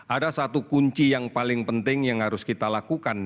ada satu kunci yang paling penting yang harus kita lakukan